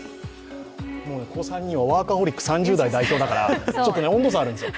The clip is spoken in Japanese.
ここ３人はワーカーホリック３０代、代表だからちょっと温度差あるんですよ。